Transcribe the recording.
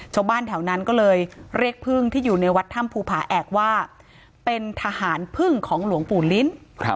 ชาวบ้านแถวนั้นก็เลยเรียกพึ่งที่อยู่ในวัดถ้ำภูผาแอกว่าเป็นทหารพึ่งของหลวงปู่ลิ้น